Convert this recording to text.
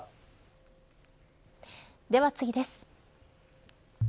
では次です。